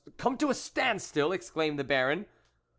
come to a standstill! " exclaimed the Baron.